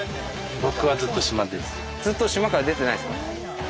ずっと島から出てないんですか？